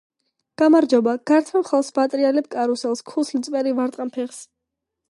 გამარჯობა გართმევ ხელს ვატრიალებ კარუსელს ქუსლი წვერი ვარტყამ ფეხს